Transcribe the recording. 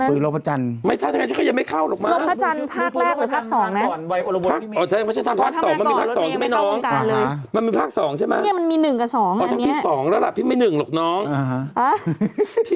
มือปืนโรคพระจันทร์เราทำงานแล้วนะเมคุณพี่ชาทำแล้วมือปืนโรคพระจันทร์เราทำงานแล้วนะเมคุณพี่ชาทำแล้วมือปืนโรคพระจันทร์เราทำงานแล้วนะเม